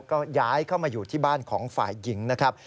ก็ย้ายเข้ามาอยู่ที่บ้านของฝ่ายหญิงนะครับ